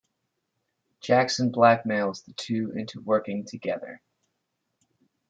Jackson blackmails the two into working together.